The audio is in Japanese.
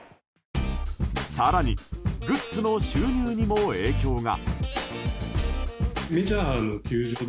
更にグッズの収入にも影響が。